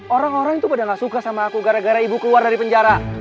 orang orang itu pada gak suka sama aku gara gara ibu keluar dari penjara